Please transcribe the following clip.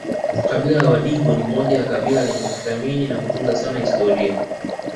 Kabila la wadigo ni moja ya kabila lenye kuthamini na kutunza sana historia